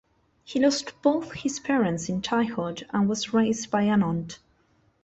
He lost both his parents in childhood, and was raised by an aunt.